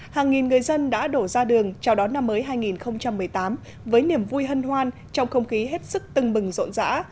hàng nghìn người dân đã đổ ra đường chào đón năm mới hai nghìn một mươi tám với niềm vui hân hoan trong không khí hết sức tưng bừng rộn rã